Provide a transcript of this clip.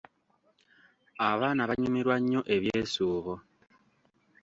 Abaana banyumirwa nnyo ebyesuubo.